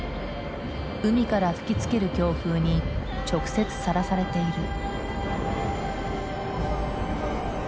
海から吹きつける強風に直接さらされている。